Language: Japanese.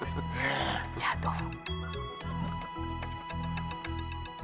じゃあどうぞ。